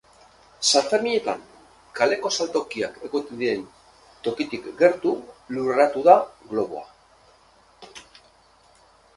Sanferminetan kaleko saltokiak egoten diren tokitik gertu lurreratu da globoa.